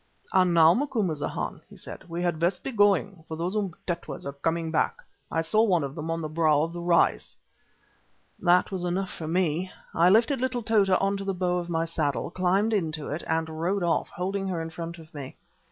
"And now, Macumazahn," he said, "we had best be going, for those Umtetwas are coming back. I saw one of them on the brow of the rise." That was enough for me. I lifted little Tota on to the bow of my saddle, climbed into it, and rode off, holding her in front of me.